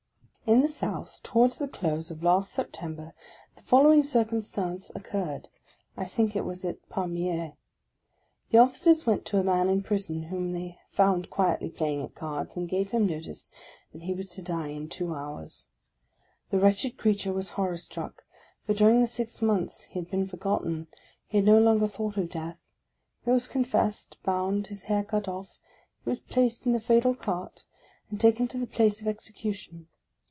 In the South, towards the close of last September, the fol lowing circumstance occurred : I think it was at Pamiers. The officers went to a man in prison, whom they found quietly playing at cards, and gave him notice that he was to die in two hours. The wretched creature was horror struck ; for during the six months he had been forgotten, he had no longer thought of death; he was confessed, bound, his hair cut off, he was placed in the fatal cart, and taken to the place of execution.